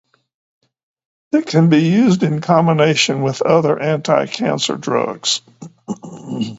It can be used in combination with other anticancer drugs.